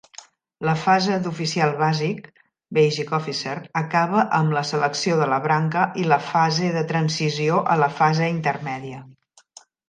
La fase d'oficial bàsic (Basic Officer) acaba amb la selecció de la branca i la fase de transició a la fase intermèdia.